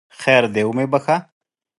خیر دی ومې بخښه!